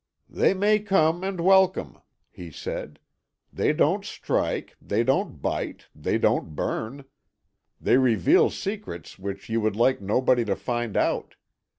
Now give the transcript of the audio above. "They may come, and welcome," he said. "They don't strike, they don't bite, they don't burn. They reveal secrets which you would like nobody to find out.